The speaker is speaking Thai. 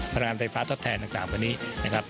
พันธุ์งานไตรฟ้าทดแทนต่างต่างวันนี้นะครับ